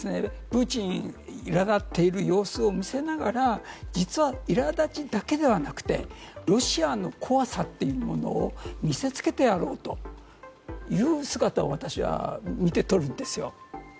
プーチンはいら立っている様子を見せながら実は、いら立ちだけではなくてロシアの怖さというものを見せつけてやろうという姿を私は見て取れるんですよ。